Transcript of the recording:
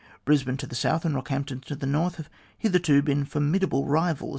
Brisbane to the south, and Rockhampton to the north, have hitherto been formidable rivals